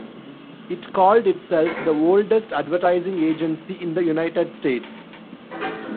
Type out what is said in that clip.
It called itself the oldest advertising agency in the United States.